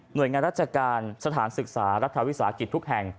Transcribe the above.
โดยงานราชการสถานศึกษารัฐวิสาหกิจทุกแห่ง